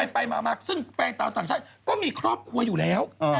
ไปมาซึ่งแฟนชาวต่างชาติก็มีครอบครัวอยู่แล้ว